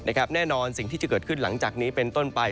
แน่นอนสิ่งที่จะเกิดขึ้นหลังจากนี้เป็นต้นไป